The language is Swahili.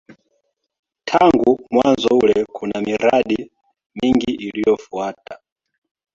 Tangu mwanzo ule kuna miradi mingi iliyofuata.